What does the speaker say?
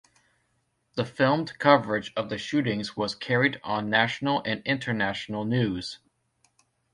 The filmed coverage of the shootings was carried on national and international news.